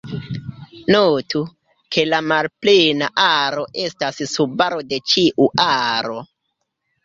Notu, ke la malplena aro estas subaro de ĉiu aro.